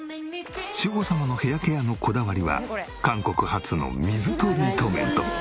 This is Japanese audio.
志保様のヘアケアのこだわりは韓国発の水トリートメント。